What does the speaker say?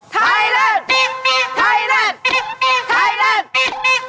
ไทรั่นไทรั่นไทรั่น